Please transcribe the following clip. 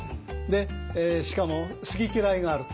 でしかも好き嫌いがある。